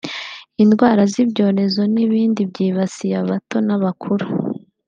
indwara z’ibyorezo n’ibindi byibasiye abato n’abakuru